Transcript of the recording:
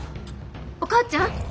お母ちゃん？